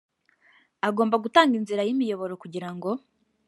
agomba gutanga inzira y’imiyoboro kugira ngo